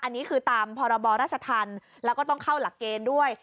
อันนี้คือตามพรบราชธรรมแล้วก็ต้องเข้าหลักเกณฑ์ด้วย